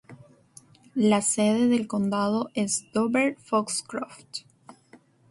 La sede del condado es Dover-Foxcroft.